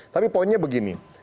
tapi poinnya begini